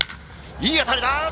いい当たりだ。